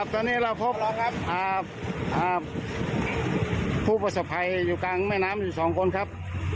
ตอนนี้เราพบผู้ประสบภัยอยู่กลางแม่น้ำอยู่๒คนครับ